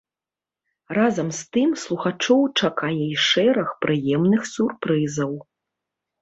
Разам з тым слухачоў чакае і шэраг прыемных сюрпрызаў.